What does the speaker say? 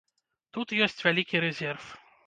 Тут ёсць вялікі рэзерв.